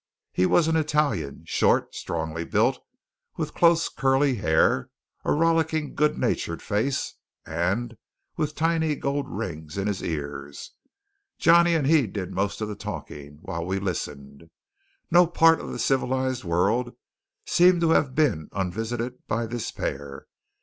He was an Italian, short, strongly built, with close curly hair, a rollicking, good natured face, and with tiny gold rings in his ears. Johnny and he did most of the talking, while we listened. No part of the civilized world seemed to have been unvisited by this pair.